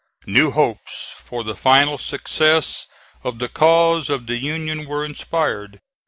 New hopes for the final success of the cause of the Union were inspired.